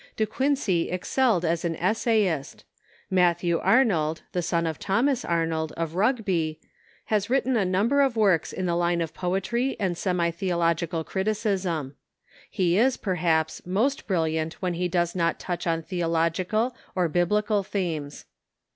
De Quincey excelled as an essay ist. Matthew Arnold, the son of Thomas Arnold, of Rugby, has written a number of works in the line of poetry and semi theological criticism. He is, perhaps, most brilliant when he does not touch on theological or Biblical themes.